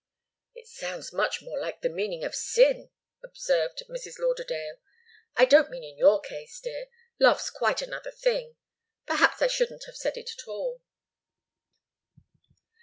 "It sounds much more like the meaning of sin," observed Mrs. Lauderdale. "I don't mean in your case, dear. Love's quite another thing. Perhaps I shouldn't have said it at all."